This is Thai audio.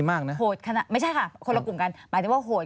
ไม่ใช่ค่ะคนละกลุ่มกันหมายถึงว่าโหด